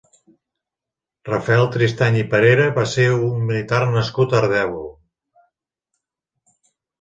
Rafael Tristany i Parera va ser un militar nascut a Ardèvol.